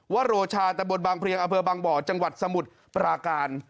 โรชาตะบนบางเพลียงอำเภอบางบ่อจังหวัดสมุทรปราการ